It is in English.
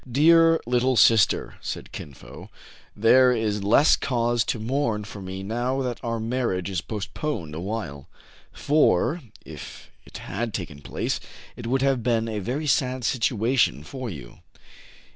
" Dear little sister,'* said Kin Fo, " there is less cause to mourn for me now that our marriage is postponed a while ; for, if it had taken place, it would have been a sad situation for you."